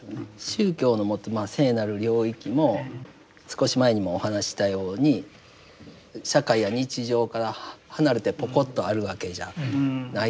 宗教の持つ聖なる領域も少し前にもお話ししたように社会や日常から離れてポコッとあるわけじゃないわけですよね。